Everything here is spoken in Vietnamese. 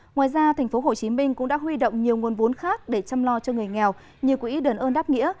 ngoài ra tp hcm cũng đã huy động nhiều nguồn vốn khác để chăm lo cho người nghèo như quỹ đơn ơn đáp nghĩa